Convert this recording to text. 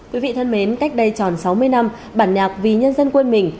quý vị thân mến cách đây tròn sáu mươi năm bản nhạc vì nhân dân quên mình